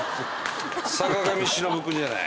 坂上忍君じゃない。